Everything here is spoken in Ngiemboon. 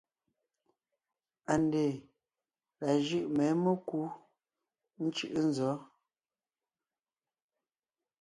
ANDÈ la jʉ̂ʼ mê mekú ńcʉ̂ʼʉ nzɔ̌?